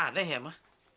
aneh ya mah